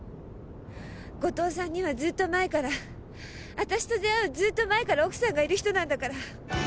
ずっと前から、私から出会うずっと前から、奥さんがいる人なんだから。